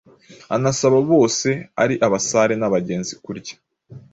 anasaba bose ari abasare n’abagenzi kurya